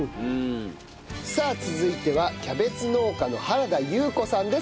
さあ続いてはキャベツ農家の原田憂子さんです。